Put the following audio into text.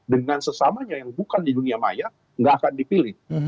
dengan sesamanya yang bukan di dunia maya nggak akan dipilih